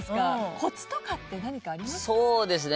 コツとかって何かありますか？